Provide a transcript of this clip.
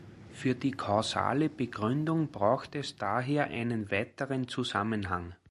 Für die kausale Begründung braucht es daher einen weiteren Zusammenhang.